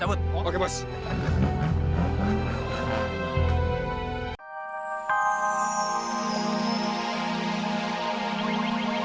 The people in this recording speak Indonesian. aduh arief bang